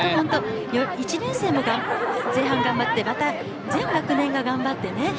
１年生が前半、頑張って全学年が頑張ってね